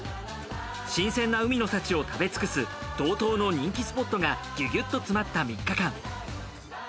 新鮮な海の幸を食べ尽くす道東の人気スポットがギュギュッと詰まった３日間。